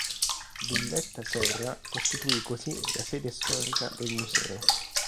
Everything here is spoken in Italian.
Villetta Serra costituì così la "Sede Storica" del Museo.